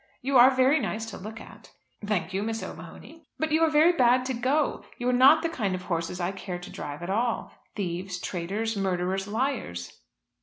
You are very nice to look at." "Thank you, Miss O'Mahony." "But you are very bad to go. You are not the kind of horses I care to drive at all. Thieves, traitors, murderers, liars."